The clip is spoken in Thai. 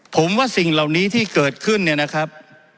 ผมว่าสิ่งเหล่านี้ที่เกิดขึ้นเนี่ยนะครับ